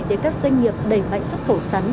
để các doanh nghiệp đẩy mạnh xuất khẩu sắn